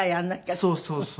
そうそうそう。